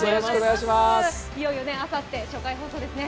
いよいよあさって初回放送ですね。